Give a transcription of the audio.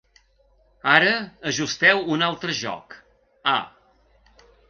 Ara ajusteu un altre joc, "A".